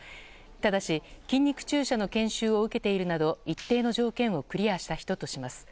ただし、筋肉注射の研修を受けているなど、一定の条件をクリアした人とします。